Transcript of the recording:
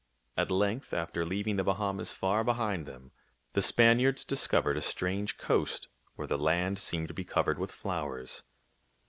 At length, after leaving the Bahamas far behind them, the Spaniards discovered a strange coast where the land seemed to be covered with flowers.